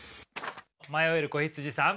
迷える子羊さん。